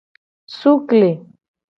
Sukle.